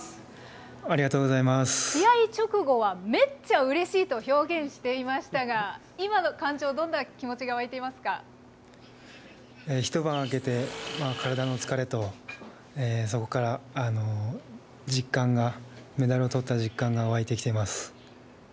試合直後はめっちゃうれしいと表現していましたが、今の感情、一晩明けて、体の疲れと、そこから実感が、メダルをとった実感が湧いてきています。